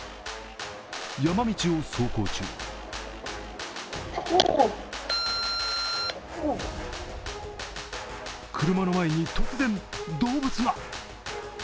山道を走行中車の前に突然、動物が。